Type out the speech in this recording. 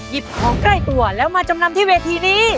ของใกล้ตัวแล้วมาจำนำที่เวทีนี้